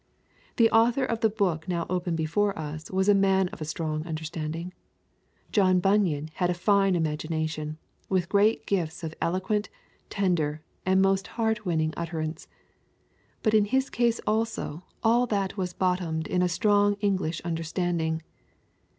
The author of the book now open before us was a man of a strong understanding. John Bunyan had a fine imagination, with great gifts of eloquent, tender, and most heart winning utterance, but in his case also all that was bottomed in a strong English understanding.